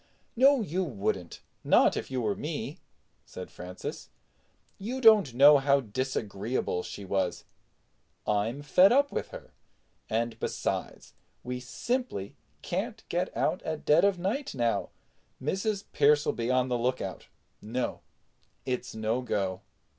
"No, you wouldn't; not if you were me," said Francis. "You don't know how disagreeable she was. I'm fed up with her. And besides, we simply can't get out at dead of night now. Mrs. Pearce'll be on the lookout. No—it's no go."